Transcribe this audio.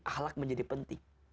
ahlak menjadi penting